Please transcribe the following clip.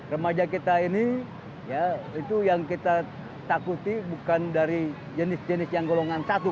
remaja kita ini ya itu yang kita takuti bukan dari jenis jenis yang golongan satu